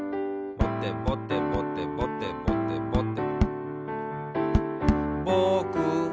「ぼてぼてぼてぼてぼてぼて」